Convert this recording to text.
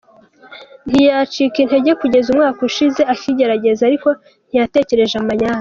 ntiyacika intege kugeza umwaka ushize akigerageza ariko ntiyatekereje amanyanga.